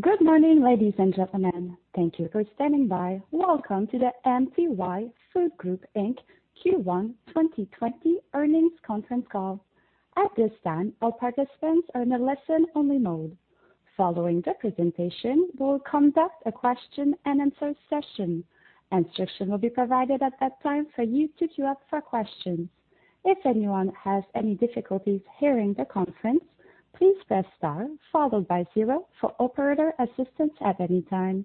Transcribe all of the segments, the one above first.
Good morning, ladies and gentlemen. Thank you for standing by. Welcome to the MTY Food Group Inc., Q1 2020 Earnings Conference Call. At this time, all participants are in a listen-only mode. Following the presentation, we will conduct a question-and-answer session. Instruction will be provided at that time for you to queue up for questions. If anyone has any difficulties hearing the conference, please press star followed by zero for operator assistance at any time.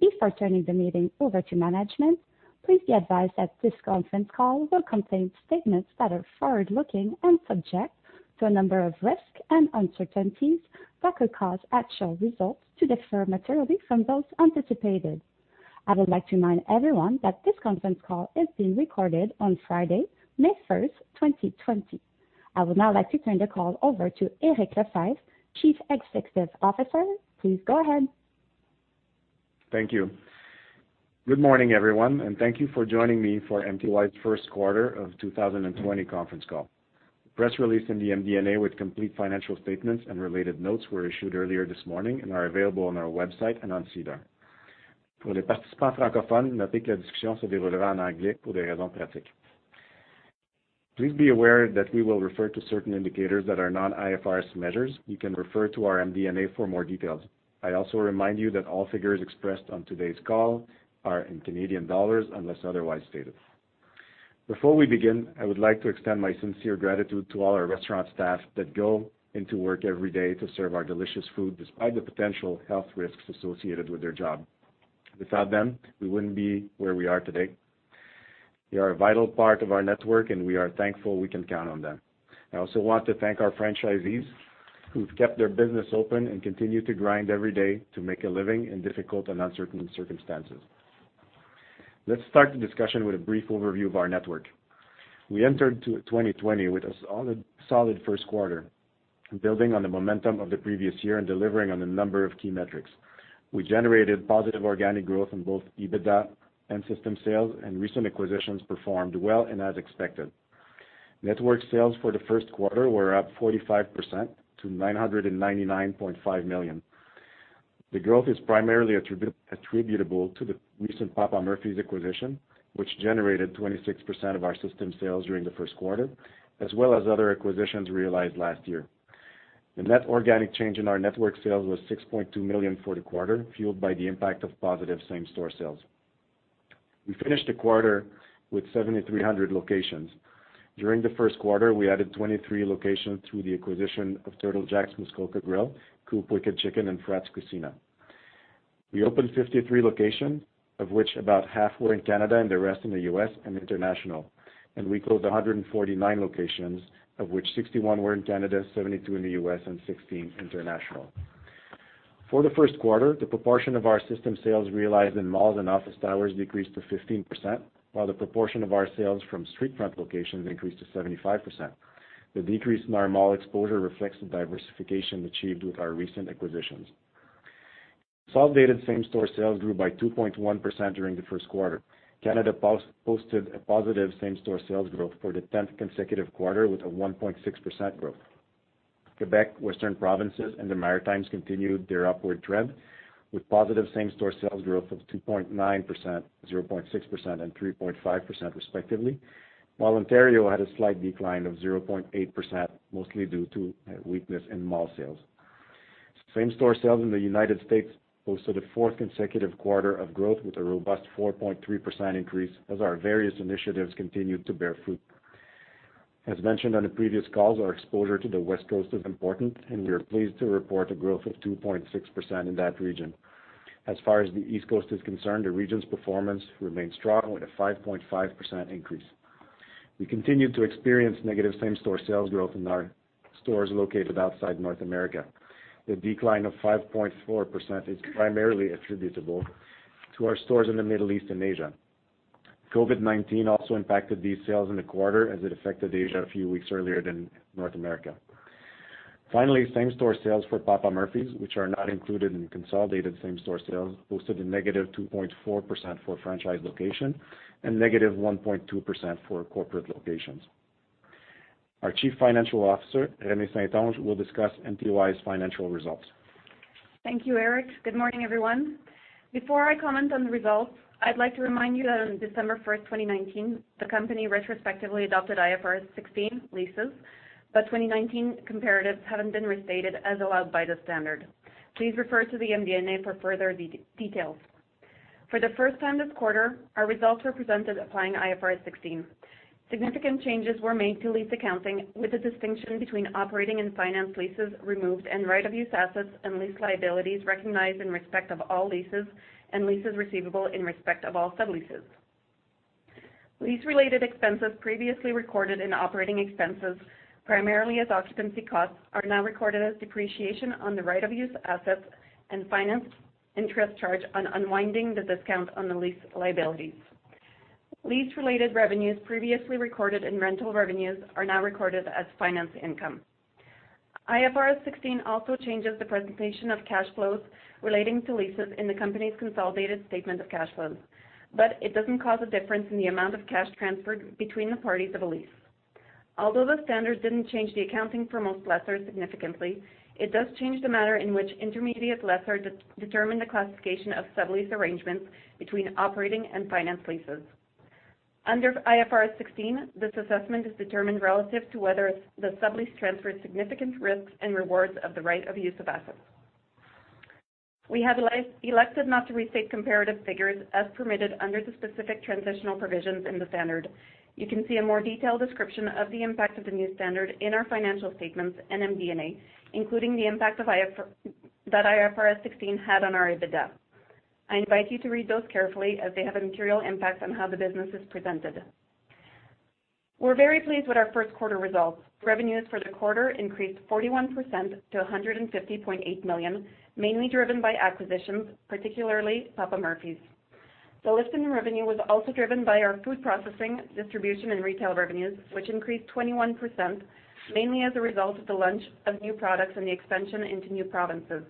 Before turning the meeting over to management, please be advised that this conference call will contain statements that are forward-looking and subject to a number of risks and uncertainties that could cause actual results to differ materially from those anticipated. I would like to remind everyone that this conference call is being recorded on Friday, May 1st, 2020. I would now like to turn the call over to Eric Lefebvre, Chief Executive Officer. Please go ahead. Thank you. Good morning, everyone, and thank you for joining me for MTY's First Quarter of 2020 Conference call. The press release in the MD&A with complete financial statements and related notes were issued earlier this morning and are available on our website and on SEDAR. Please be aware that we will refer to certain indicators that are non-IFRS measures. You can refer to our MD&A for more details. I also remind you that all figures expressed on today's call are in Canadian dollars unless otherwise stated. Before we begin, I would like to extend my sincere gratitude to all our restaurant staff that go into work every day to serve our delicious food despite the potential health risks associated with their job. Without them, we wouldn't be where we are today. They are a vital part of our network, and we are thankful we can count on them. I also want to thank our franchisees who've kept their business open and continue to grind every day to make a living in difficult and uncertain circumstances. Let's start the discussion with a brief overview of our network. We entered 2020 with a solid first quarter, building on the momentum of the previous year and delivering on a number of key metrics. We generated positive organic growth in both EBITDA and system sales, and recent acquisitions performed well and as expected. Network sales for the first quarter were up 45% to 999.5 million. The growth is primarily attributable to the recent Papa Murphy's acquisition, which generated 26% of our system sales during the first quarter, as well as other acquisitions realized last year. The net organic change in our network sales was 6.2 million for the quarter, fueled by the impact of positive same-store sales. We finished the quarter with 7,300 locations. During the first quarter, we added 23 locations through the acquisition of Turtle Jack's Muskoka Grill, COOP Wicked Chicken and Frat's Cucina. We opened 53 locations, of which about half were in Canada and the rest in the U.S. and international. We closed 149 locations, of which 61 were in Canada, 72 in the U.S., and 16 international. For the first quarter, the proportion of our system sales realized in malls and office towers decreased to 15%, while the proportion of our sales from street front locations increased to 75%. The decrease in our mall exposure reflects the diversification achieved with our recent acquisitions. Consolidated same-store sales grew by 2.1% during the first quarter. Canada posted a positive same-store sales growth for the tenth consecutive quarter with a 1.6% growth. Quebec, Western provinces, and the Maritimes continued their upward trend with positive same-store sales growth of 2.9%, 0.6%, and 3.5% respectively. While Ontario had a slight decline of 0.8%, mostly due to weakness in mall sales. Same-store sales in the United States posted a fourth consecutive quarter of growth with a robust 4.3% increase as our various initiatives continued to bear fruit. As mentioned on the previous calls, our exposure to the West Coast is important, and we are pleased to report a growth of 2.6% in that region. As far as the East Coast is concerned, the region's performance remains strong with a 5.5% increase. We continued to experience negative same-store sales growth in our stores located outside North America. The decline of 5.4% is primarily attributable to our stores in the Middle East and Asia. COVID-19 also impacted these sales in the quarter as it affected Asia a few weeks earlier than North America. Finally, same-store sales for Papa Murphy's, which are not included in consolidated same-store sales, posted a -2.4% for franchise location and -1.2% for corporate locations. Our Chief Financial Officer, Renée St-Onge, will discuss MTY's financial results. Thank you, Eric. Good morning, everyone. Before I comment on the results, I'd like to remind you that on December 1st, 2019, the company retrospectively adopted IFRS 16 leases, but 2019 comparatives haven't been restated as allowed by the standard. Please refer to the MD&A for further details. For the first time this quarter, our results were presented applying IFRS 16. Significant changes were made to lease accounting with a distinction between operating and finance leases removed and right of use assets and lease liabilities recognized in respect of all leases and leases receivable in respect of all subleases. Lease-related expenses previously recorded in operating expenses, primarily as occupancy costs, are now recorded as depreciation on the right of use assets and finance interest charge on unwinding the discount on the lease liabilities. Lease-related revenues previously recorded in rental revenues are now recorded as finance income. IFRS 16 also changes the presentation of cash flows relating to leases in the company's consolidated statement of cash flows. It doesn't cause a difference in the amount of cash transferred between the parties of a lease. Although the standard didn't change the accounting for most lessors significantly, it does change the manner in which intermediate lessor determine the classification of sublease arrangements between operating and finance leases. Under IFRS 16, this assessment is determined relative to whether the sublease transfers significant risks and rewards of the right of use of assets. We have elected not to restate comparative figures as permitted under the specific transitional provisions in the standard. You can see a more detailed description of the impact of the new standard in our financial statements and MD&A, including the impact that IFRS 16 had on our EBITDA. I invite you to read those carefully as they have a material impact on how the business is presented. We're very pleased with our first quarter results. Revenues for the quarter increased 41% to 150.8 million, mainly driven by acquisitions, particularly Papa Murphy's. The lift in revenue was also driven by our food processing, distribution, and retail revenues, which increased 21%, mainly as a result of the launch of new products and the expansion into new provinces.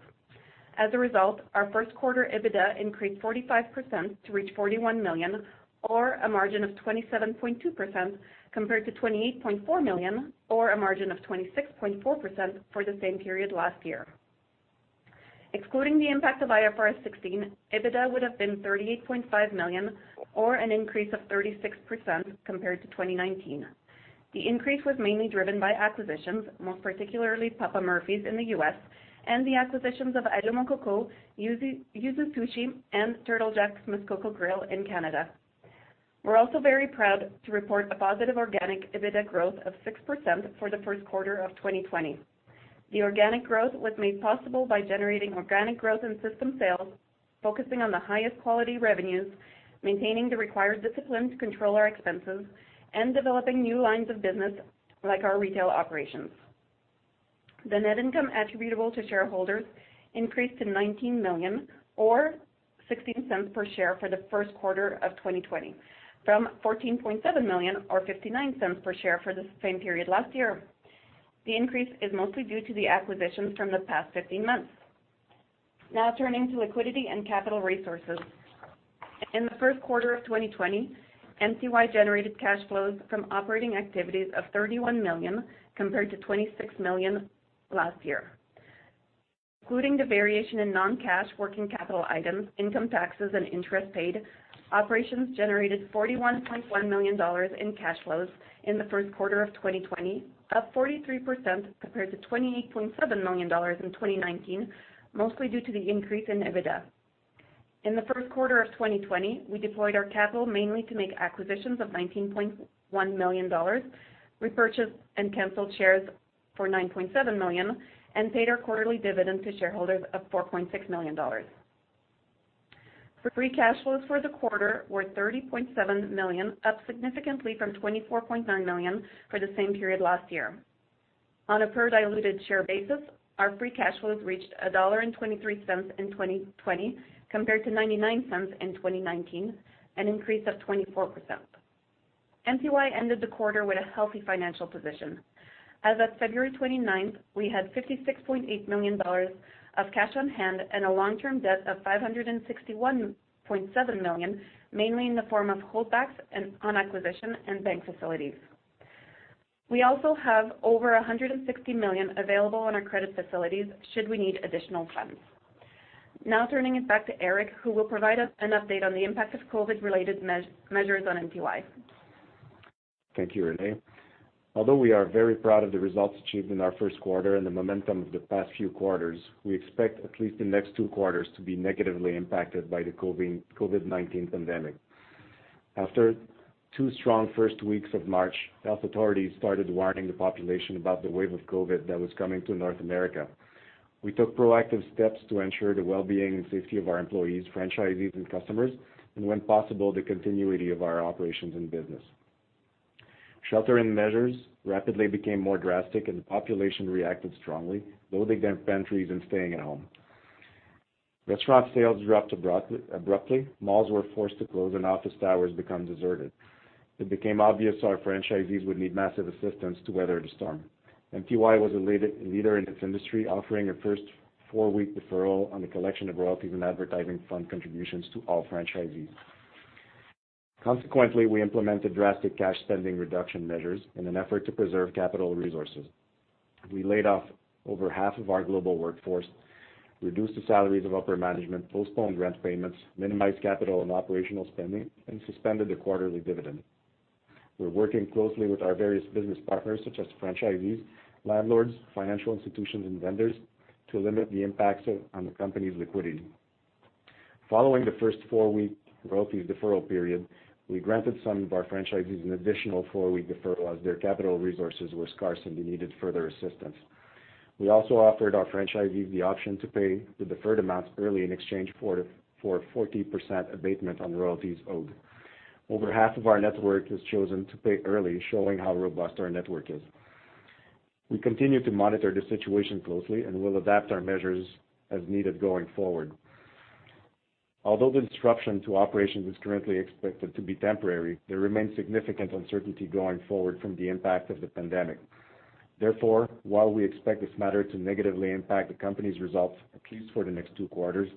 As a result, our first quarter EBITDA increased 45% to reach 41 million, or a margin of 27.2%, compared to 28.4 million, or a margin of 26.4% for the same period last year. Excluding the impact of IFRS 16, EBITDA would have been 38.5 million, or an increase of 36% compared to 2019. The increase was mainly driven by acquisitions, most particularly Papa Murphy's in the U.S., and the acquisitions of Allô! Mon Coco, Yuzu Sushi, and Turtle Jack's Muskoka Grill in Canada. We're also very proud to report a positive organic EBITDA growth of 6% for the first quarter of 2020. The organic growth was made possible by generating organic growth in system sales, focusing on the highest quality revenues, maintaining the required discipline to control our expenses, and developing new lines of business like our retail operations. The net income attributable to shareholders increased to 19 million, or 0.16 per share for the first quarter of 2020, from 14.7 million or 0.59 per share for the same period last year. The increase is mostly due to the acquisitions from the past 15 months. Turning to liquidity and capital resources. In the first quarter of 2020, MTY generated cash flows from operating activities of 31 million compared to 26 million last year. Including the variation in non-cash working capital items, income taxes, and interest paid, operations generated 41.1 million dollars in cash flows in the first quarter of 2020, up 43% compared to 28.7 million dollars in 2019, mostly due to the increase in EBITDA. In the first quarter of 2020, we deployed our capital mainly to make acquisitions of 19.1 million dollars, repurchased and canceled shares for 9.7 million, and paid our quarterly dividend to shareholders of 4.6 million dollars. The free cash flows for the quarter were 30.7 million, up significantly from 24.9 million for the same period last year. On a per diluted share basis, our free cash flows reached 1.23 dollar in 2020 compared to 0.99 in 2019, an increase of 24%. MTY ended the quarter with a healthy financial position. As of February 29th, we had 56.8 million dollars of cash on hand and a long-term debt of 561.7 million, mainly in the form of holdbacks on acquisition and bank facilities. We also have over 160 million available on our credit facilities should we need additional funds. Turning it back to Eric, who will provide an update on the impact of COVID-related measures on MTY. Thank you, Renée. Although we are very proud of the results achieved in our first quarter and the momentum of the past few quarters, we expect at least the next two quarters to be negatively impacted by the COVID-19 pandemic. After two strong first weeks of March, health authorities started warning the population about the wave of COVID that was coming to North America. We took proactive steps to ensure the well-being and safety of our employees, franchisees, and customers, and when possible, the continuity of our operations and business. Shelter-in-place measures rapidly became more drastic and the population reacted strongly, loading their pantries and staying at home. Restaurant sales dropped abruptly, malls were forced to close, and office towers become deserted. It became obvious our franchisees would need massive assistance to weather the storm. MTY was a leader in its industry, offering a first four-week deferral on the collection of royalties and advertising fund contributions to all franchisees. Consequently, we implemented drastic cash spending reduction measures in an effort to preserve capital resources. We laid off over half of our global workforce, reduced the salaries of upper management, postponed rent payments, minimized capital and operational spending, and suspended the quarterly dividend. We're working closely with our various business partners, such as franchisees, landlords, financial institutions, and vendors, to limit the impacts on the company's liquidity. Following the first four-week royalties deferral period, we granted some of our franchisees an additional four-week deferral as their capital resources were scarce, and they needed further assistance. We also offered our franchisees the option to pay the deferred amounts early in exchange for a 40% abatement on royalties owed. Over half of our network has chosen to pay early, showing how robust our network is. We continue to monitor the situation closely and will adapt our measures as needed going forward. Although the disruption to operations is currently expected to be temporary, there remains significant uncertainty going forward from the impact of the pandemic. Therefore, while we expect this matter to negatively impact the company's results at least for the next two quarters,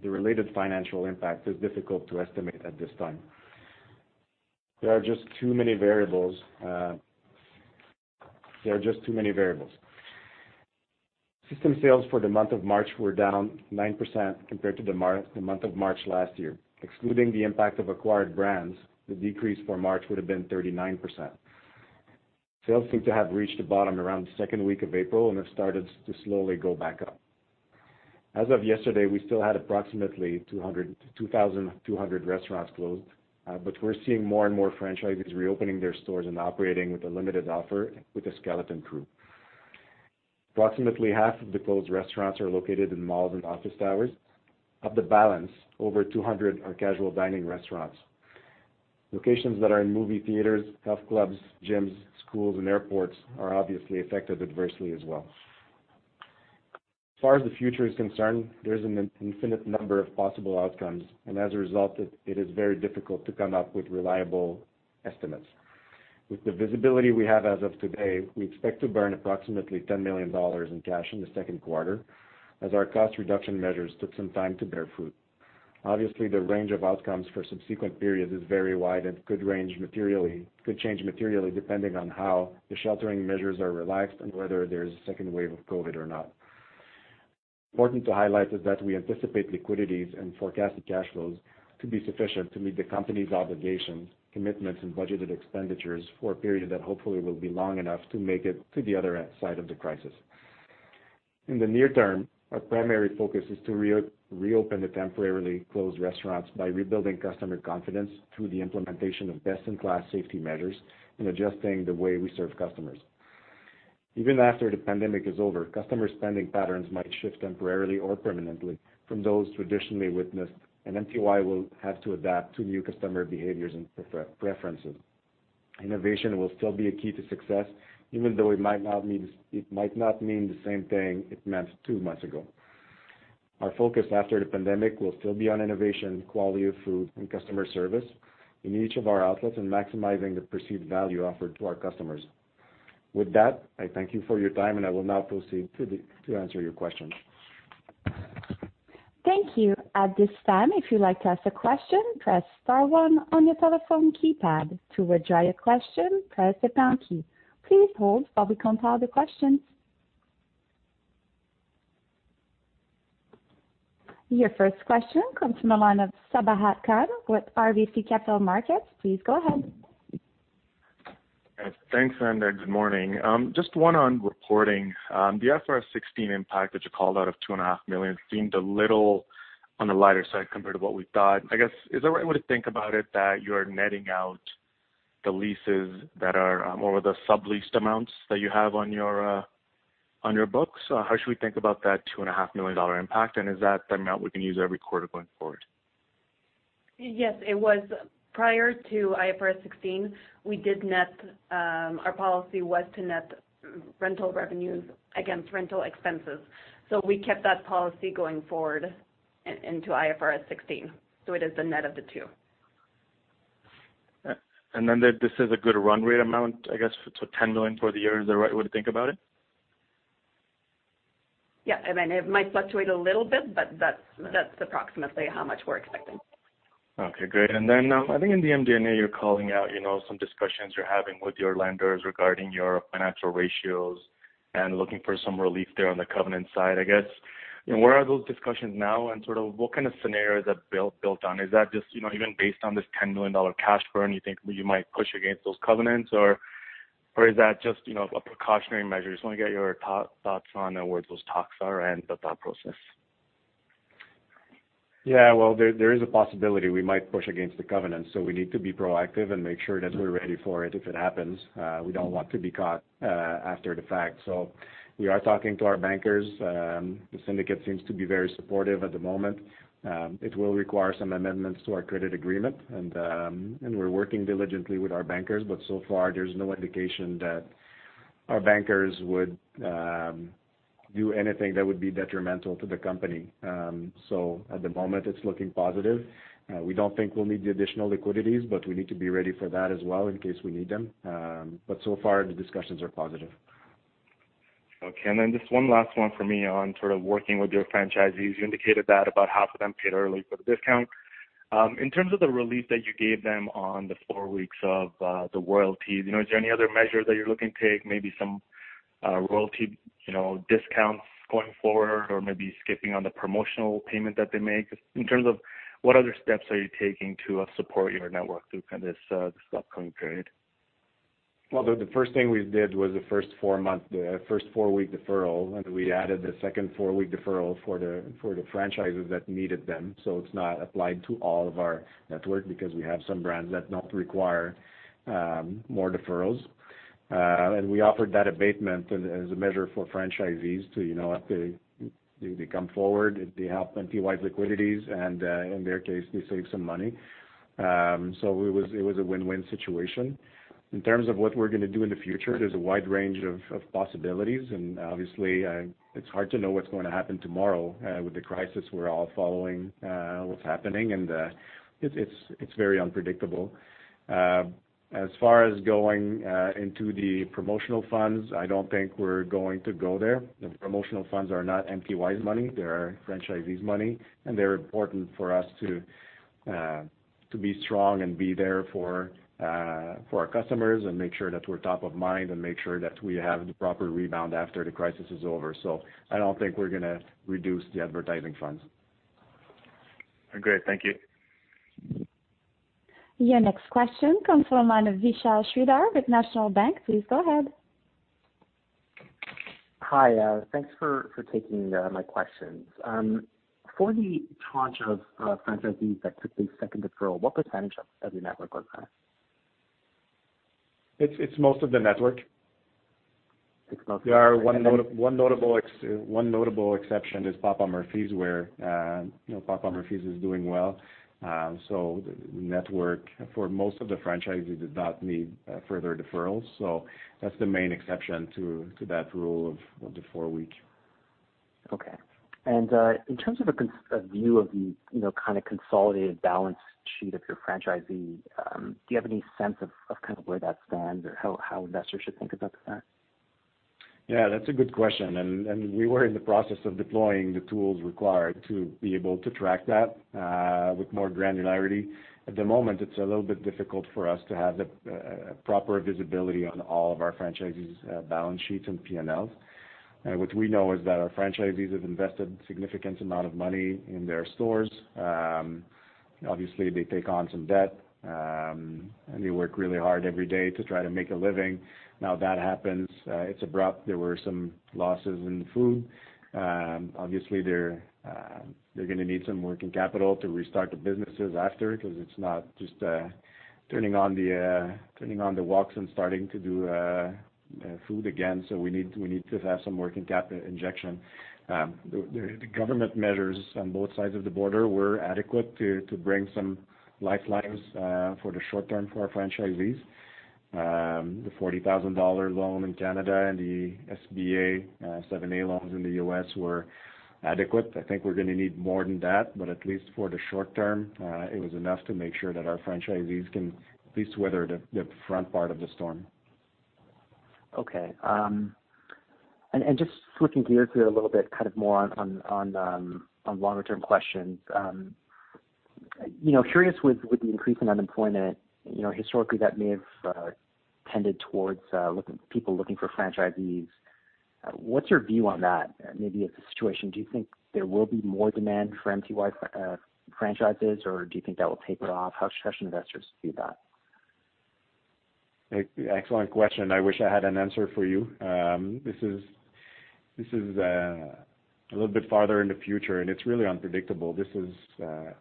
the related financial impact is difficult to estimate at this time. There are just too many variables. System sales for the month of March were down 9% compared to the month of March last year. Excluding the impact of acquired brands, the decrease for March would have been 39%. Sales seem to have reached a bottom around the second week of April and have started to slowly go back up. As of yesterday, we still had approximately 2,200 restaurants closed. We're seeing more and more franchisees reopening their stores and operating with a limited offer with a skeleton crew. Approximately half of the closed restaurants are located in malls and office towers. Of the balance, over 200 are casual dining restaurants. Locations that are in movie theaters, health clubs, gyms, schools, and airports are obviously affected adversely as well. As far as the future is concerned, there's an infinite number of possible outcomes. As a result, it is very difficult to come up with reliable estimates. With the visibility we have as of today, we expect to burn approximately 10 million dollars in cash in the second quarter as our cost reduction measures took some time to bear fruit. Obviously, the range of outcomes for subsequent periods is very wide and could change materially depending on how the sheltering measures are relaxed and whether there is a second wave of COVID-19 or not. Important to highlight is that we anticipate liquidities and forecasted cash flows to be sufficient to meet the company's obligations, commitments, and budgeted expenditures for a period that hopefully will be long enough to make it to the other side of the crisis. In the near term, our primary focus is to reopen the temporarily closed restaurants by rebuilding customer confidence through the implementation of best-in-class safety measures and adjusting the way we serve customers. Even after the pandemic is over, customer spending patterns might shift temporarily or permanently from those traditionally witnessed, and MTY will have to adapt to new customer behaviors and preferences. Innovation will still be a key to success, even though it might not mean the same thing it meant two months ago. Our focus after the pandemic will still be on innovation, quality of food, and customer service in each of our outlets and maximizing the perceived value offered to our customers. With that, I thank you for your time, and I will now proceed to answer your questions. Thank you. At this time, if you'd like to ask a question, press star one on your telephone keypad. To withdraw your question, press the pound key. Please hold while we compile the questions. Your first question comes from the line of Sabahat Khan with RBC Capital Markets. Please go ahead. Thanks, Anders. Good morning. Just one on reporting. The IFRS 16 impact that you called out of 2.5 million seemed a little on the lighter side compared to what we thought. I guess, is the right way to think about it that you're netting out the leases that are more the subleased amounts that you have on your books? How should we think about that 2.5 million dollar impact, and is that an amount we can use every quarter going forward? Yes, it was prior to IFRS 16, our policy was to net rental revenues against rental expenses. We kept that policy going forward into IFRS 16. It is the net of the two. This is a good run rate amount, I guess, so 10 million for the year, is that right way to think about it? Yeah. Then it might fluctuate a little bit, but that's approximately how much we're expecting. Okay, great. Then, I think in the MD&A, you're calling out some discussions you're having with your lenders regarding your financial ratios and looking for some relief there on the covenant side, I guess. Where are those discussions now and sort of what kind of scenario is that built on? Is that just even based on this 10 million dollar cash burn you think you might push against those covenants or is that just a precautionary measure? Just want to get your thoughts on where those talks are and the thought process. Yeah. Well, there is a possibility we might push against the covenant. We need to be proactive and make sure that we're ready for it if it happens. We don't want to be caught after the fact. We are talking to our bankers. The syndicate seems to be very supportive at the moment. It will require some amendments to our credit agreement, and we're working diligently with our bankers, but so far there's no indication that our bankers would do anything that would be detrimental to the company. At the moment, it's looking positive. We don't think we'll need the additional liquidities, but we need to be ready for that as well in case we need them. So far, the discussions are positive. Okay. Just one last one for me on sort of working with your franchisees. You indicated that about half of them paid early for the discount. In terms of the relief that you gave them on the four weeks of the royalties, is there any other measure that you're looking to take, maybe some royalty discounts going forward or maybe skipping on the promotional payment that they make? In terms of what other steps are you taking to support your network through this upcoming period? Well, the first thing we did was the first four-week deferral, and we added the second four-week deferral for the franchises that needed them. It's not applied to all of our network because we have some brands that not require more deferrals. We offered that abatement as a measure for franchisees to, if they come forward, if they have MTY's liquidity and, in their case, they save some money. It was a win-win situation. In terms of what we're going to do in the future, there's a wide range of possibilities, and obviously, it's hard to know what's going to happen tomorrow with the crisis, we're all following what's happening, and it's very unpredictable. As far as going into the promotional funds, I don't think we're going to go there. The promotional funds are not MTY's money, they are franchisees' money, and they're important for us to be strong and be there for our customers and make sure that we're top of mind and make sure that we have the proper rebound after the crisis is over. I don't think we're going to reduce the advertising funds. Great. Thank you. Your next question comes from the line of Vishal Shreedhar with National Bank. Please go ahead. Hi. Thanks for taking my questions. For the tranche of franchisees that took the second deferral, what percentage of your network are they? It's most of the network. There are one notable exception is Papa Murphy's, where Papa Murphy's is doing well. The network for most of the franchisees did not need further deferrals, so that's the main exception to that rule of the four-week. Okay. In terms of a view of the kind of consolidated balance sheet of your franchisee, do you have any sense of kind of where that stands or how investors should think about that? That's a good question. We were in the process of deploying the tools required to be able to track that with more granularity. At the moment, it's a little bit difficult for us to have the proper visibility on all of our franchisees' balance sheets and P&L. What we know is that our franchisees have invested significant amount of money in their stores. Obviously, they take on some debt, and they work really hard every day to try to make a living. Now that happens, it's abrupt. There were some losses in food. Obviously, they're going to need some working capital to restart the businesses after, because it's not just turning on the woks and starting to do food again. We need to have some working capital injection. The government measures on both sides of the border were adequate to bring some lifelines for the short term for our franchisees. The 40,000 dollar loan in Canada and the SBA 7(a) loans in the U.S. were adequate. I think we're going to need more than that, but at least for the short term, it was enough to make sure that our franchisees can at least weather the front part of the storm. Okay. Just switching gears here a little bit, more on longer-term questions. Curious with the increase in unemployment, historically that may have tended towards people looking for franchisees. What's your view on that? Maybe it's a situation, do you think there will be more demand for MTY franchises or do you think that will taper off? How should investors view that? Excellent question. I wish I had an answer for you. This is a little bit farther in the future and it's really unpredictable. This is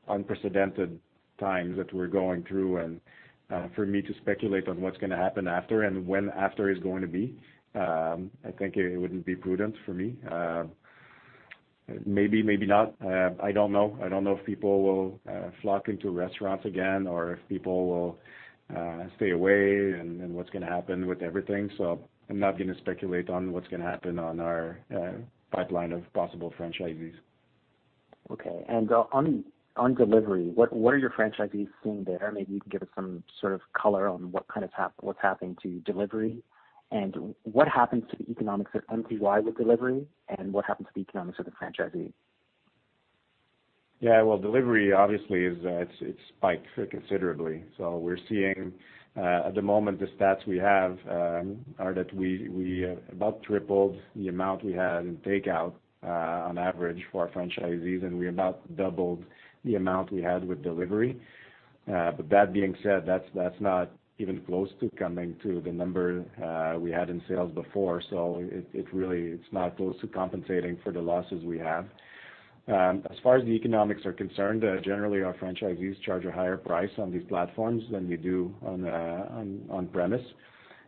unprecedented times that we're going through and for me to speculate on what's going to happen after and when after is going to be, I think it wouldn't be prudent for me. Maybe yes, maybe not. I don't know. I don't know if people will flock into restaurants again or if people will stay away and what's going to happen with everything. I'm not going to speculate on what's going to happen on our pipeline of possible franchisees. Okay. On delivery, what are your franchisees seeing there? Maybe you can give us some sort of color on what's happening to delivery and what happens to the economics at MTY with delivery and what happens to the economics of the franchisee? Yeah. Delivery obviously it spiked considerably. We're seeing at the moment the stats we have are that we about tripled the amount we had in takeout on average for our franchisees and we about doubled the amount we had with delivery. That being said, that's not even close to coming to the number we had in sales before. It really, it's not close to compensating for the losses we have. As far as the economics are concerned, generally our franchisees charge a higher price on these platforms than we do on premise.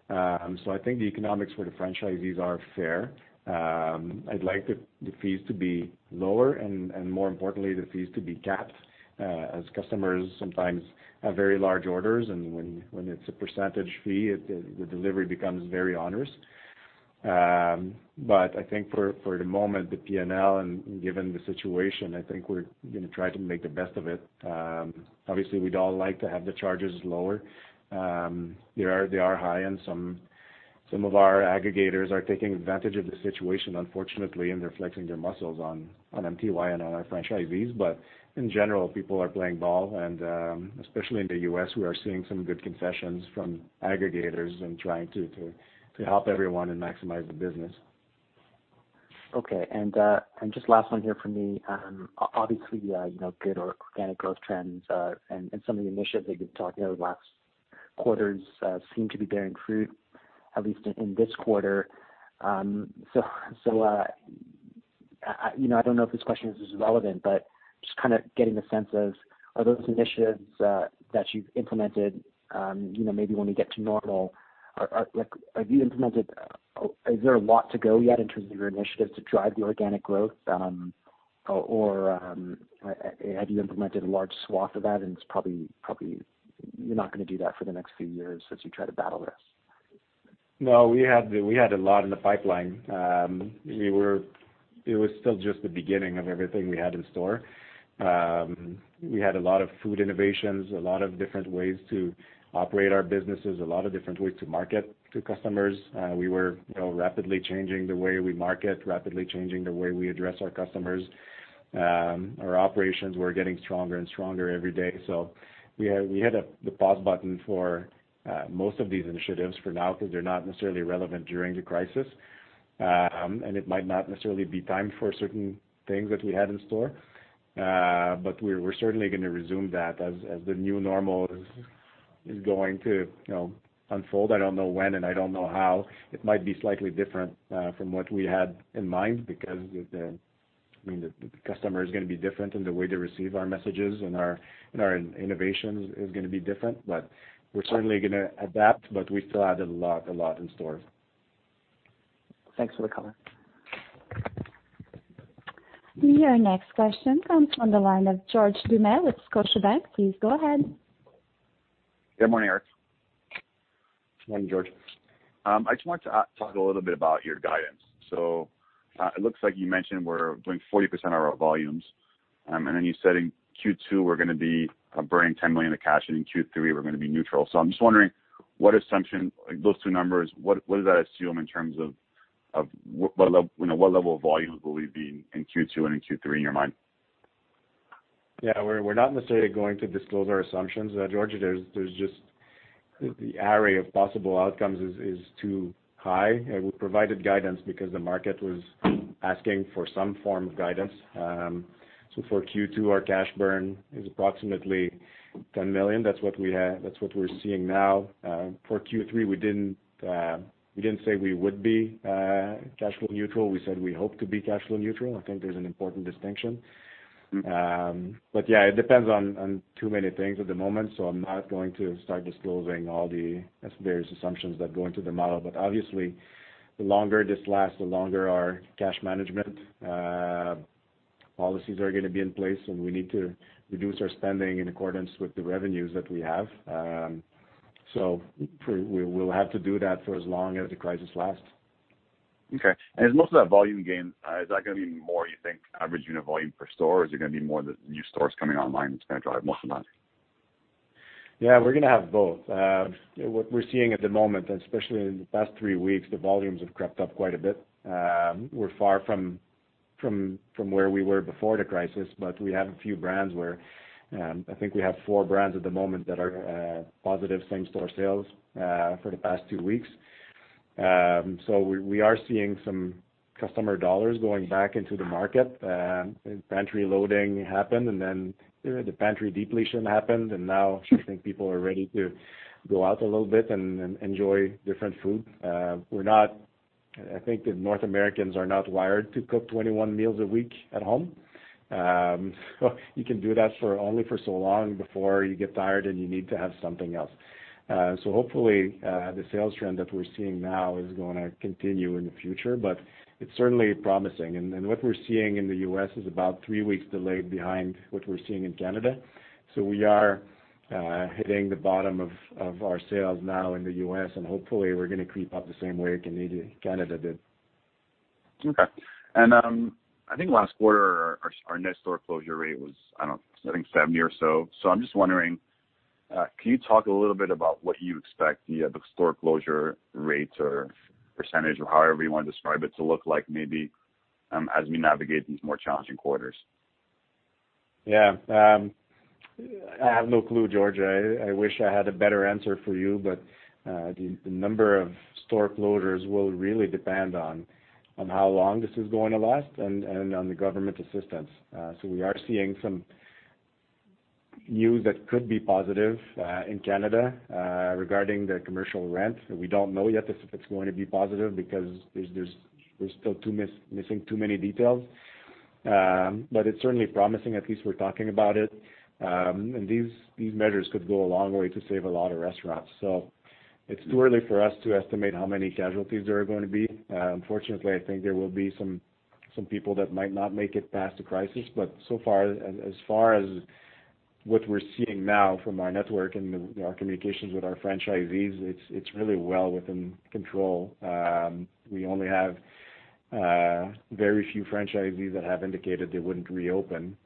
I think the economics for the franchisees are fair. I'd like the fees to be lower and more importantly, the fees to be capped as customers sometimes have very large orders and when it's a percentage fee, the delivery becomes very onerous. I think for the moment, the P&L and given the situation, I think we're going to try to make the best of it. Obviously, we'd all like to have the charges lower. They are high and some of our aggregators are taking advantage of the situation unfortunately and they're flexing their muscles on MTY and on our franchisees. In general, people are playing ball and especially in the U.S., we are seeing some good concessions from aggregators and trying to help everyone and maximize the business. Okay. Just last one here from me. Obviously, good organic growth trends and some of the initiatives that you've talked about over the last quarters seem to be bearing fruit, at least in this quarter. I don't know if this question is relevant, but just kind of getting a sense of, are those initiatives that you've implemented maybe when we get to normal, have you implemented, is there a lot to go yet in terms of your initiatives to drive the organic growth? Have you implemented a large swath of that and it's probably you're not going to do that for the next few years as you try to battle this? No, we had a lot in the pipeline. It was still just the beginning of everything we had in store. We had a lot of food innovations, a lot of different ways to operate our businesses, a lot of different ways to market to customers. We were rapidly changing the way we market, rapidly changing the way we address our customers. Our operations were getting stronger and stronger every day. We hit the pause button for most of these initiatives for now, because they're not necessarily relevant during the crisis, and it might not necessarily be time for certain things that we had in store. We're certainly going to resume that as the new normal is going to unfold. I don't know when, and I don't know how. It might be slightly different from what we had in mind because the customer is going to be different in the way they receive our messages, and our innovation is going to be different. We're certainly going to adapt, but we still have a lot in store. Thanks for the comment. Your next question comes from the line of George Doumet with Scotiabank. Please go ahead. Good morning, Eric. Morning, George. I just wanted to talk a little bit about your guidance. It looks like you mentioned we're doing 40% of our volumes, and then you said in Q2 we're going to be burning 10 million of cash, and in Q3 we're going to be neutral. I'm just wondering, those two numbers, what does that assume in terms of what level of volumes will we be in Q2 and in Q3, in your mind? Yeah. We're not necessarily going to disclose our assumptions, George. Just the array of possible outcomes is too high. We provided guidance because the market was asking for some form of guidance. For Q2, our cash burn is approximately 10 million. That's what we're seeing now. For Q3, we didn't say we would be cash flow neutral. We said we hope to be cash flow neutral. I think there's an important distinction. Yeah, it depends on too many things at the moment, so I'm not going to start disclosing all the various assumptions that go into the model. Obviously, the longer this lasts, the longer our cash management policies are going to be in place, and we need to reduce our spending in accordance with the revenues that we have. We'll have to do that for as long as the crisis lasts. Okay. Is most of that volume gain, is that going to be more, you think, average unit volume per store, or is it going to be more the new stores coming online that's going to drive most of that? Yeah, we're going to have both. What we're seeing at the moment, especially in the past three weeks, the volumes have crept up quite a bit. We're far from where we were before the crisis, we have a few brands where, I think we have four brands at the moment that are positive same-store sales for the past two weeks. We are seeing some customer dollars going back into the market. Pantry loading happened, then the pantry depletion happened, now I think people are ready to go out a little bit and enjoy different food. I think that North Americans are not wired to cook 21 meals a week at home. You can do that only for so long before you get tired, you need to have something else. Hopefully, the sales trend that we're seeing now is going to continue in the future, but it's certainly promising. What we're seeing in the U.S. is about three weeks delayed behind what we're seeing in Canada. We are hitting the bottom of our sales now in the U.S., and hopefully we're going to creep up the same way Canada did. Okay. I think last quarter, our net store closure rate was, I think, 70 or so. I'm just wondering, can you talk a little bit about what you expect the store closure rates or percentage, or however you want to describe it, to look like maybe as we navigate these more challenging quarters? Yeah. I have no clue, George. I wish I had a better answer for you, the number of store closures will really depend on how long this is going to last and on the government assistance. We are seeing some news that could be positive in Canada regarding the commercial rent. We don't know yet if it's going to be positive because we're still missing too many details. It's certainly promising, at least we're talking about it. These measures could go a long way to save a lot of restaurants. It's too early for us to estimate how many casualties there are going to be. Unfortunately, I think there will be some people that might not make it past the crisis, but so far, as far as what we're seeing now from our network and our communications with our franchisees, it's really well within control. We only have very few franchisees that have indicated they wouldn't reopen.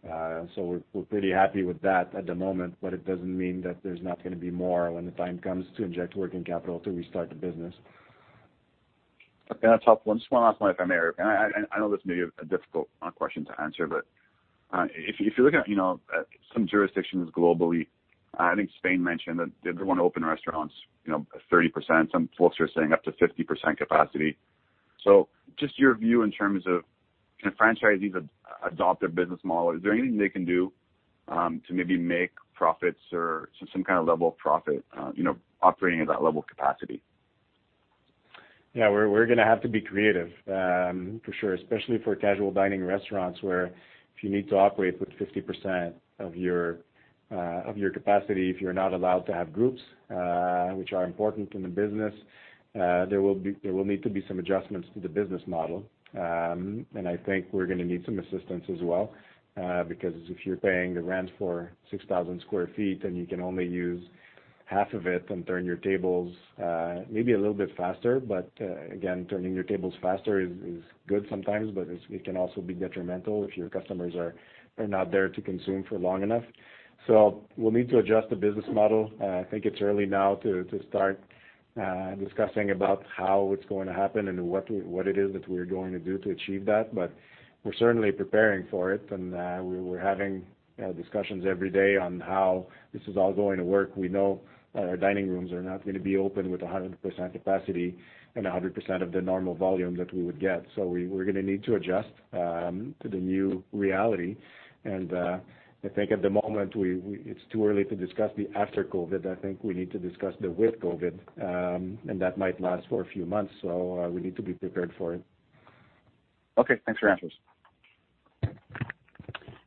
So we're pretty happy with that at the moment, but it doesn't mean that there's not going to be more when the time comes to inject working capital to restart the business. Okay, that's helpful. I just want to ask one if I may, Eric. I know this may be a difficult question to answer, but if you look at some jurisdictions globally, I think Spain mentioned that they want to open restaurants, 30%, some folks are saying up to 50% capacity. Just your view in terms of, can franchisees adopt their business model? Is there anything they can do to maybe make profits or some kind of level of profit operating at that level of capacity? Yeah, we're going to have to be creative, for sure, especially for casual dining restaurants, where if you need to operate with 50% of your capacity, if you're not allowed to have groups, which are important in the business, there will need to be some adjustments to the business model. I think we're going to need some assistance as well, because if you're paying the rent for 6,000 sq ft and you can only use half of it and turn your tables maybe a little bit faster. Again, turning your tables faster is good sometimes, but it can also be detrimental if your customers are not there to consume for long enough. We'll need to adjust the business model. I think it's early now to start discussing about how it's going to happen and what it is that we're going to do to achieve that. We're certainly preparing for it, and we're having discussions every day on how this is all going to work. We know our dining rooms are not going to be open with 100% capacity and 100% of the normal volume that we would get. We're going to need to adjust to the new reality. I think at the moment, it's too early to discuss the after COVID. I think we need to discuss the with COVID, and that might last for a few months, so we need to be prepared for it. Okay. Thanks for your answers.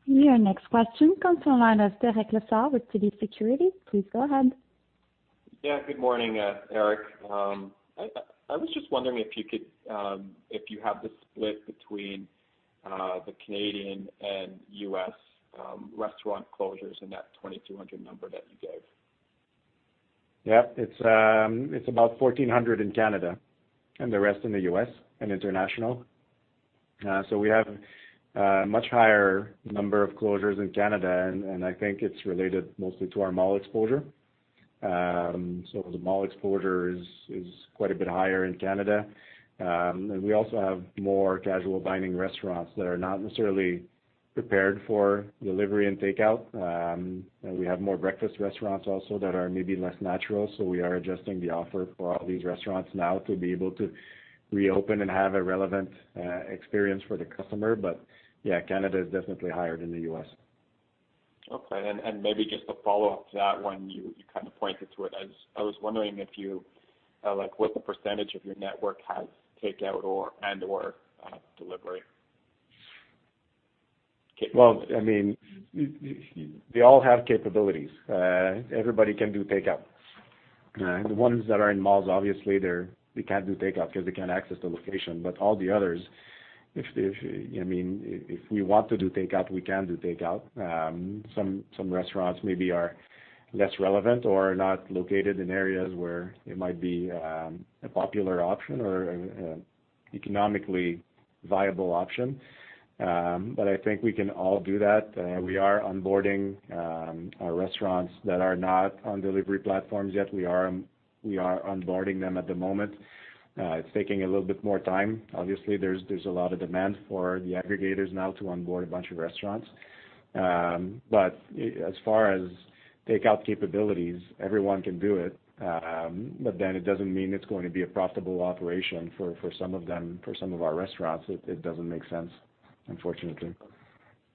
Your next question comes from the line of Derek Lessard with TD Securities. Please go ahead. Yeah, good morning, Eric. I was just wondering if you have the split between the Canadian and U.S. restaurant closures in that 2,200 number that you gave. Yeah. It's about 1,400 in Canada and the rest in the U.S. and international. We have a much higher number of closures in Canada, and I think it's related mostly to our mall exposure. The mall exposure is quite a bit higher in Canada. We also have more casual dining restaurants that are not necessarily prepared for delivery and takeout. We have more breakfast restaurants also that are maybe less natural. We are adjusting the offer for all these restaurants now to be able to reopen and have a relevant experience for the customer. Yeah, Canada is definitely higher than the U.S. Okay. Maybe just a follow-up to that one, you kind of pointed to it. I was wondering what percentage of your network has takeout and/or delivery? Well, they all have capabilities. Everybody can do takeout. The ones that are in malls, obviously, they can't do takeout because they can't access the location. All the others, if we want to do takeout, we can do takeout. Some restaurants maybe are less relevant or are not located in areas where it might be a popular option or an economically viable option. I think we can all do that. We are onboarding our restaurants that are not on delivery platforms yet. We are onboarding them at the moment. It's taking a little bit more time. Obviously, there's a lot of demand for the aggregators now to onboard a bunch of restaurants. As far as takeout capabilities, everyone can do it. It doesn't mean it's going to be a profitable operation for some of them. For some of our restaurants, it doesn't make sense, unfortunately.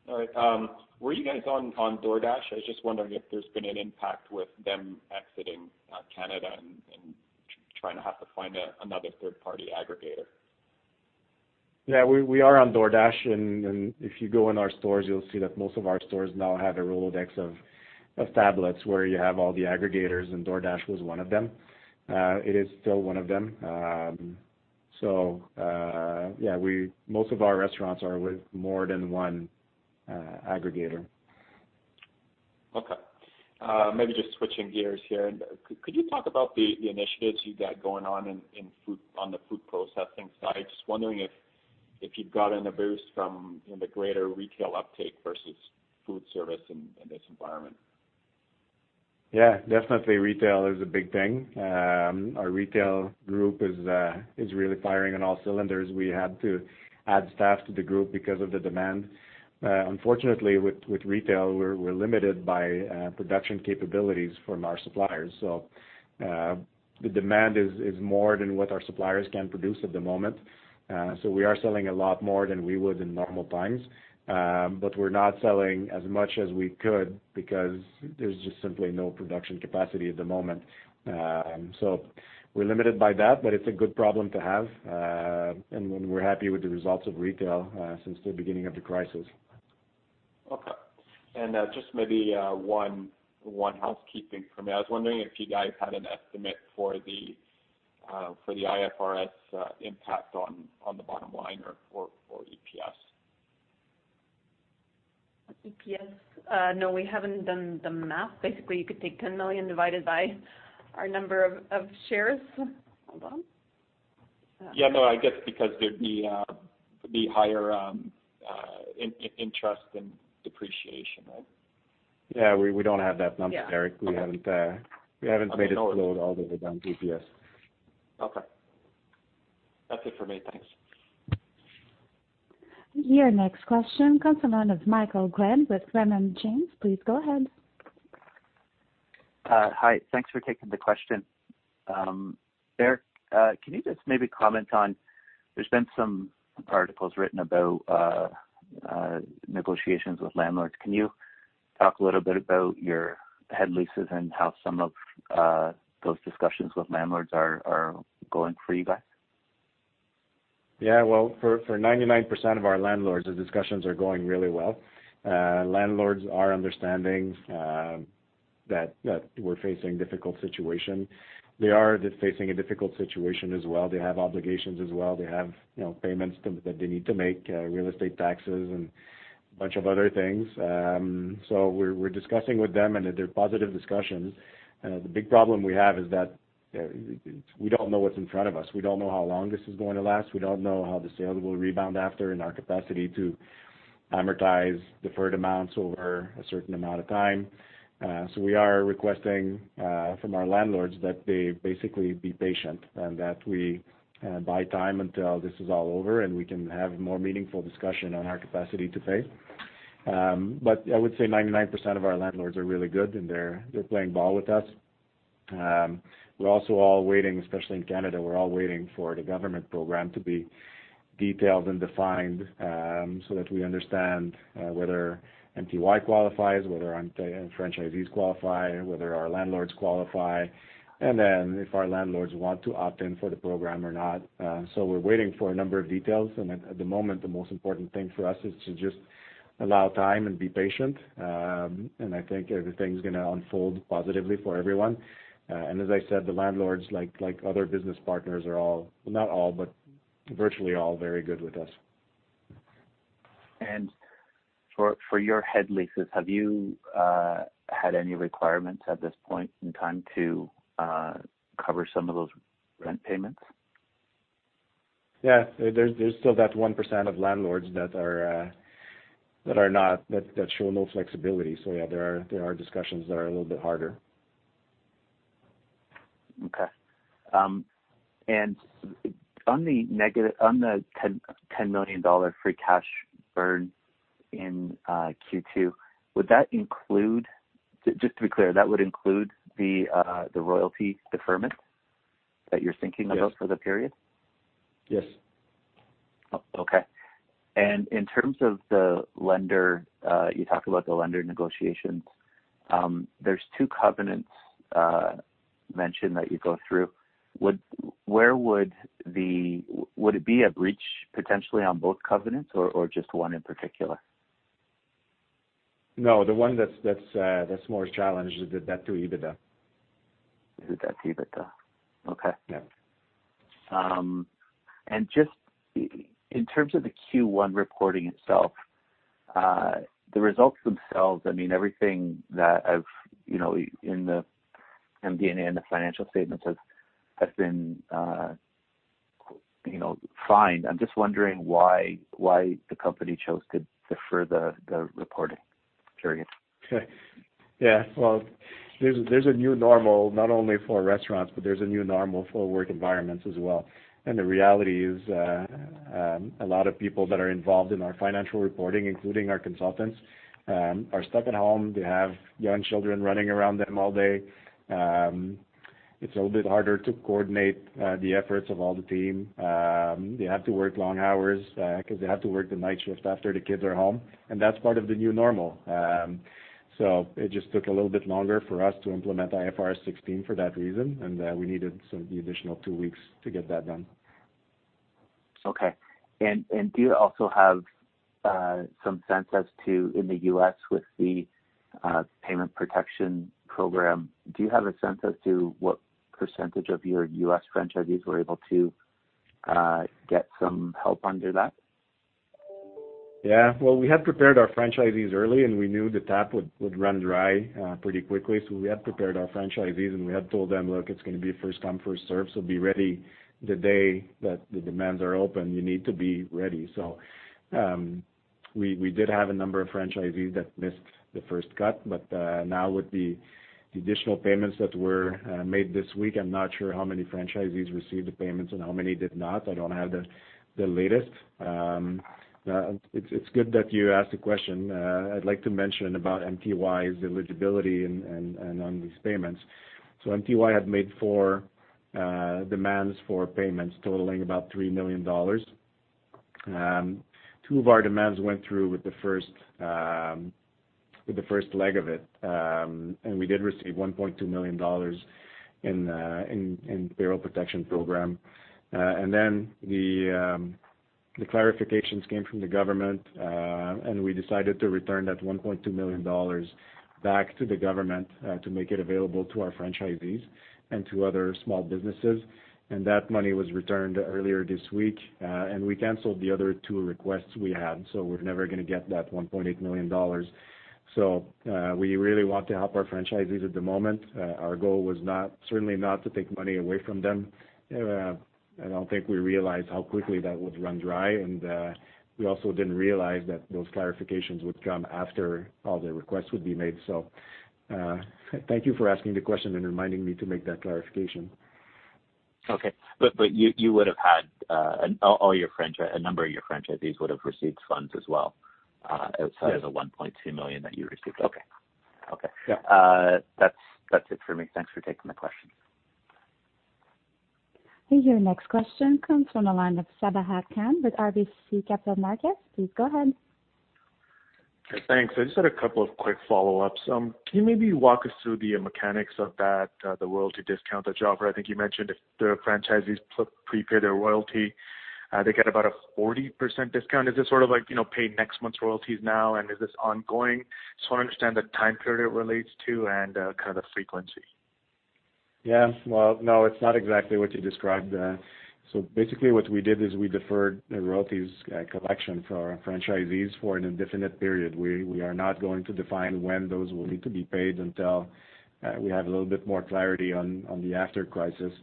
All right. Were you guys on DoorDash? I was just wondering if there's been an impact with them exiting Canada and trying to have to find another third-party aggregator. We are on DoorDash, and if you go in our stores, you'll see that most of our stores now have a Rolodex of tablets where you have all the aggregators, and DoorDash was one of them. It is still one of them. Most of our restaurants are with more than one aggregator. Okay. Maybe just switching gears here. Could you talk about the initiatives you've got going on the food processing side? Just wondering if you've gotten a boost from the greater retail uptake versus food service in this environment. Yeah, definitely retail is a big thing. Our retail group is really firing on all cylinders. We had to add staff to the group because of the demand. Unfortunately with retail, we're limited by production capabilities from our suppliers. The demand is more than what our suppliers can produce at the moment. We're not selling as much as we could because there's just simply no production capacity at the moment. We're limited by that, but it's a good problem to have. We're happy with the results of retail since the beginning of the crisis. Okay. Just maybe one housekeeping for me. I was wondering if you guys had an estimate for the IFRS impact on the bottom line or for EPS? EPS? No, we haven't done the math. Basically, you could take 10 million divided by our number of shares. Hold on. Yeah. No, I guess because there'd be higher interest and depreciation, right? Yeah, we don't have that number, Derek. We haven't made it flow all the way down to EPS. Okay. That's it for me. Thanks. Your next question comes from the line of Michael Glen with Raymond James. Please go ahead. Hi. Thanks for taking the question. Eric, can you just maybe comment on, there's been some articles written about negotiations with landlords. Can you talk a little bit about your head leases and how some of those discussions with landlords are going for you guys? Yeah. Well, for 99% of our landlords, the discussions are going really well. Landlords are understanding that we're facing a difficult situation. They are facing a difficult situation as well. They have obligations as well. They have payments that they need to make, real estate taxes, and a bunch of other things. We're discussing with them and they're positive discussions. The big problem we have is that we don't know what's in front of us. We don't know how long this is going to last. We don't know how the sales will rebound after, and our capacity to amortize deferred amounts over a certain amount of time. We are requesting from our landlords that they basically be patient and that we buy time until this is all over, and we can have more meaningful discussion on our capacity to pay. I would say 99% of our landlords are really good, and they're playing ball with us. We're also all waiting, especially in Canada, we're all waiting for the government program to be detailed and defined, so that we understand whether MTY qualifies, whether franchisees qualify, whether our landlords qualify, and then if our landlords want to opt in for the program or not. We're waiting for a number of details, and at the moment, the most important thing for us is to just allow time and be patient. I think everything's going to unfold positively for everyone. As I said, the landlords, like other business partners, are all, not all, but virtually all very good with us. For your head leases, have you had any requirements at this point in time to cover some of those rent payments? Yeah. There's still that 1% of landlords that show no flexibility. Yeah, there are discussions that are a little bit harder. Okay. On the 10 million dollar free cash burn in Q2, just to be clear, that would include the royalty deferment that you're thinking about for the period? Yes. Oh, okay. In terms of the lender, you talked about the lender negotiations. There's two covenants mentioned that you go through. Would it be a breach, potentially, on both covenants or just one in particular? No, the one that's more challenged is the debt to EBITDA. The debt to EBITDA. Okay. Yeah. Just in terms of the Q1 reporting itself, the results themselves, everything that in the MD&A and the financial statements has been fine. I'm just wondering why the company chose to defer the reporting period? There's a new normal, not only for restaurants, but there's a new normal for work environments as well. The reality is, a lot of people that are involved in our financial reporting, including our consultants, are stuck at home. They have young children running around them all day. It's a little bit harder to coordinate the efforts of all the team. They have to work long hours, because they have to work the night shift after the kids are home, and that's part of the new normal. It just took a little bit longer for us to implement IFRS 16 for that reason, and we needed the additional two weeks to get that done. Okay. Do you also have some sense as to, in the U.S. with the Paycheck Protection Program, do you have a sense as to what percentage of your U.S. franchisees were able to get some help under that? Well, we had prepared our franchisees early, and we knew the tap would run dry pretty quickly. We had prepared our franchisees, and we had told them, "Look, it's going to be first come, first served, so be ready the day that the demands are open. You need to be ready." We did have a number of franchisees that missed the first cut, but now with the additional payments that were made this week, I'm not sure how many franchisees received the payments and how many did not. I don't have the latest. It's good that you asked the question. I'd like to mention about MTY's eligibility and on these payments. MTY had made four demands for payments totaling about 3 million dollars. Two of our demands went through with the first leg of it. We did receive $1.2 million in the Paycheck Protection Program. Then the clarifications came from the government, and we decided to return that 1.2 million dollars back to the government to make it available to our franchisees and to other small businesses. That money was returned earlier this week. We canceled the other two requests we had, so we're never going to get that 1.8 million dollars. We really want to help our franchisees at the moment. Our goal was certainly not to take money away from them. I don't think we realized how quickly that would run dry, and we also didn't realize that those clarifications would come after all the requests would be made. Thank you for asking the question and reminding me to make that clarification. Okay. You would've had a number of your franchisees would have received funds as well outside of the 1.2 million that you received? Yeah. That's it for me. Thanks for taking the question. Your next question comes from the line of Sabahat Khan with RBC Capital Markets. Please go ahead. Thanks. I just had a couple of quick follow-ups. Can you maybe walk us through the mechanics of the royalty discount that you offer? I think you mentioned if the franchisees prepay their royalty, they get about a 40% discount. Is this sort of like pay next month's royalties now, and is this ongoing? Just want to understand the time period it relates to and kind of the frequency? Yeah. Well, no, it's not exactly what you described. Basically what we did is we deferred the royalties collection for our franchisees for an indefinite period. We are not going to define when those will need to be paid until we have a little bit more clarity on the after crisis.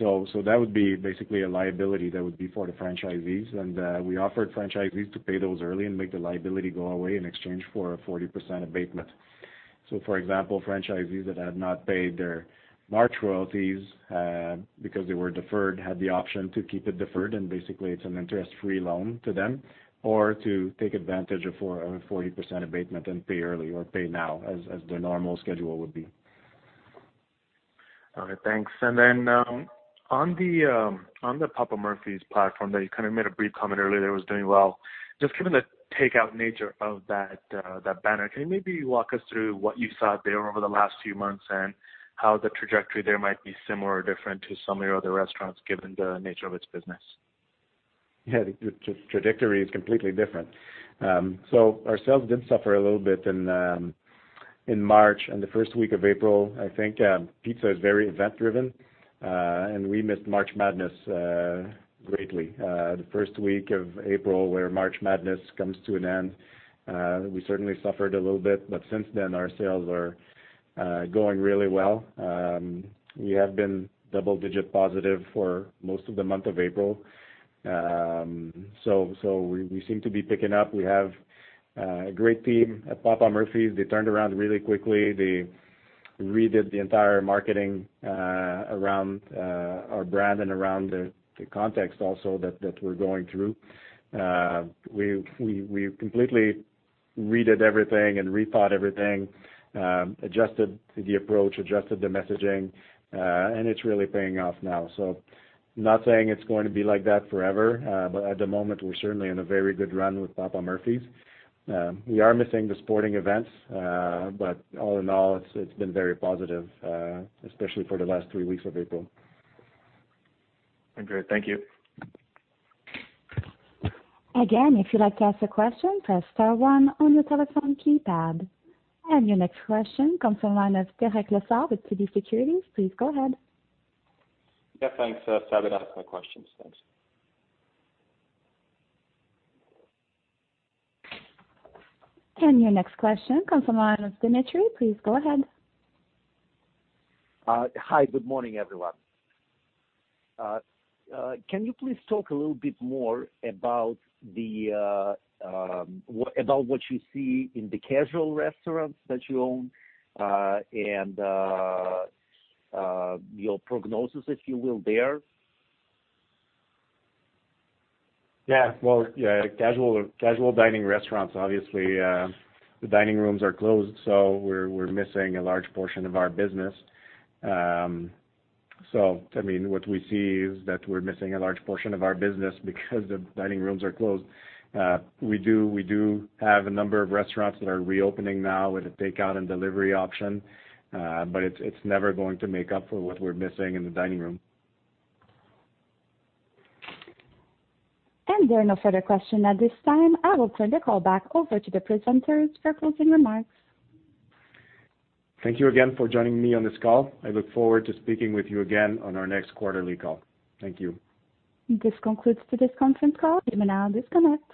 That would be basically a liability that would be for the franchisees. We offered franchisees to pay those early and make the liability go away in exchange for a 40% abatement. For example, franchisees that had not paid their March royalties, because they were deferred, had the option to keep it deferred, and basically it's an interest-free loan to them, or to take advantage of a 40% abatement and pay early or pay now as their normal schedule would be. All right, thanks. Then on the Papa Murphy's platform that you kind of made a brief comment earlier that was doing well, just given the takeout nature of that banner, can you maybe walk us through what you saw there over the last few months and how the trajectory there might be similar or different to some of your other restaurants given the nature of its business? Yeah, the trajectory is completely different. Our sales did suffer a little bit in March and the first week of April. I think pizza is very event-driven, and we missed March Madness greatly. The first week of April, where March Madness comes to an end, we certainly suffered a little bit, but since then our sales are going really well. We have been double-digit positive for most of the month of April. We seem to be picking up. We have a great team at Papa Murphy's. They turned around really quickly. They redid the entire marketing around our brand and around the context also that we're going through. We completely redid everything and rethought everything, adjusted the approach, adjusted the messaging, and it's really paying off now. I'm not saying it's going to be like that forever, but at the moment, we're certainly in a very good run with Papa Murphy's. We are missing the sporting events, but all in all, it's been very positive, especially for the last three weeks of April. Okay, thank you. Your next question comes from the line of Dmitry. Please go ahead. Hi, good morning, everyone. Can you please talk a little bit more about what you see in the casual restaurants that you own, and your prognosis, if you will, there? Well, casual dining restaurants, obviously, the dining rooms are closed, so we're missing a large portion of our business. What we see is that we're missing a large portion of our business because the dining rooms are closed. We do have a number of restaurants that are reopening now with a takeout and delivery option. It's never going to make up for what we're missing in the dining room. There are no further questions at this time. I will turn the call back over to the presenters for closing remarks. Thank you again for joining me on this call. I look forward to speaking with you again on our next quarterly call. Thank you. This concludes today's conference call. You may now disconnect.